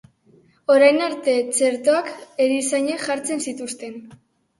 Orain arte txertoak erizainek jartzen zituzten.